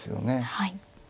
はい。